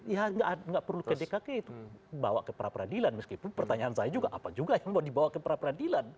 ya nggak perlu ke dkk itu bawa ke pra peradilan meskipun pertanyaan saya juga apa juga yang mau dibawa ke peradilan